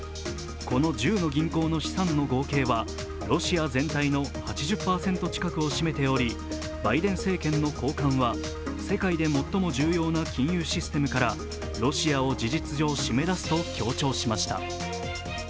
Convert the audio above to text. この１０の銀行の資産の合計はロシア全体の８０％を占めておりバイデン政権の高官は、世界で最も重要な金融システムからロシアを事実上、締め出すと強調しました。